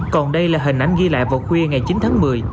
còn đây là hình ảnh ghi lại vào khuya ngày chín tháng một mươi